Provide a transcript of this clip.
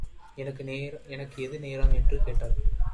எனக்கு ஏது நேரம்? என்று கேட்டாள்.